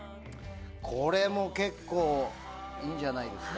これも結構いいんじゃないですか。